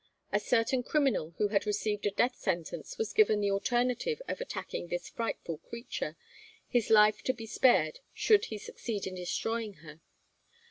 A certain criminal who had received a death sentence was given the alternative of attacking this frightful creature, his life to be spared should he succeed in destroying her.